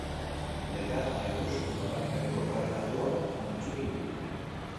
Legea jarraituz, Udalak herriko kale-katuak antzutu ditu.